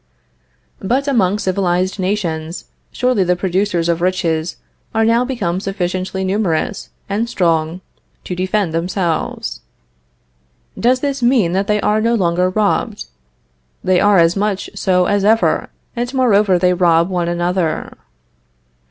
But among civilized nations surely the producers of riches are now become sufficiently numerous and strong to defend themselves. Does this mean that they are no longer robbed? They are as much so as ever, and moreover they rob one another.